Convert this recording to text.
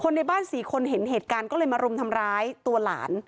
ในบ้าน๔คนเห็นเหตุการณ์ก็เลยมารุมทำร้ายตัวหลาน